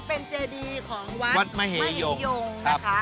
เป็นเจดีของวัดมหยงวัดมหยงนะคะ